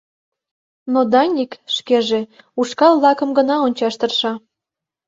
Но Даник шкеже ушкал-влакым гына ончаш тырша.